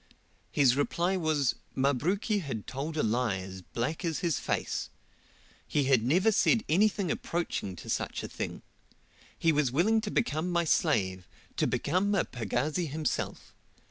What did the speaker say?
His reply was, Mabruki had told a lie as black as his face. He had never said anything approaching to such a thing. He was willing to become my slave to become a pagazi himself.